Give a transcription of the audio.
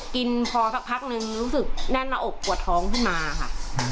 กินพอสักพักนึงรู้สึกแน่นหน้าอกปวดท้องขึ้นมาค่ะ